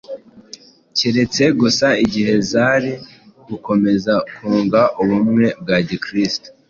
keretse gusa igihe zari gukomeza kunga ubumwe bwa Gikristo